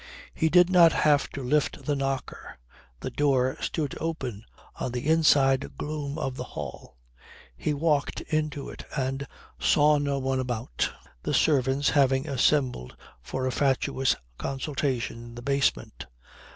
He did not have to lift the knocker; the door stood open on the inside gloom of the hall; he walked into it and saw no one about, the servants having assembled for a fatuous consultation in the basement.